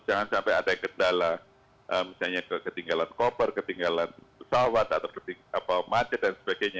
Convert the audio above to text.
jangan sampai ada kendala misalnya ketinggalan koper ketinggalan pesawat atau macet dan sebagainya